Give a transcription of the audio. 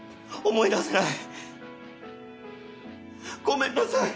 思い出せない！